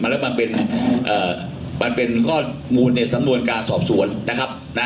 และมันเป็นมูลในสำนวนการสอบสวน